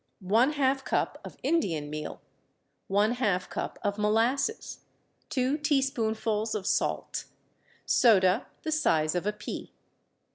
One half cup of Indian meal. One half cup of molasses. Two teaspoonfuls of salt. Soda, the size of a pea.